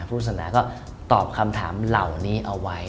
พระพุทธศนาก็ตอบคำถามเหล่านี้เอาไว้